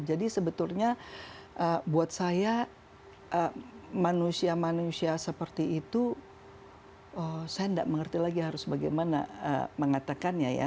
jadi sebetulnya buat saya manusia manusia seperti itu saya tidak mengerti lagi harus bagaimana mengatakannya ya